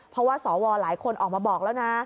เพราะว่าสวหลายคนออกมาบอกแล้วนะ